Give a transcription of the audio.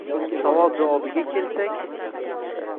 Savol javobiga kelsak…